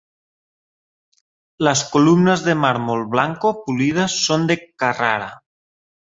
Las columnas de mármol blanco pulidas son de Carrara.